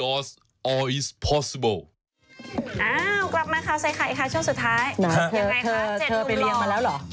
ยังไงคะ๗หนุ่มหลอง